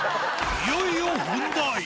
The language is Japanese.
いよいよ本題。